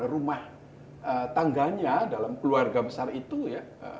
dalam kehidupan rumah tangganya dalam keluarga besar itu ya